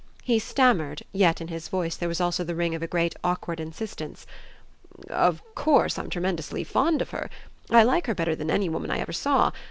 He stammered, yet in his voice there was also the ring of a great awkward insistence. "Of course I'm tremendously fond of her I like her better than any woman I ever saw.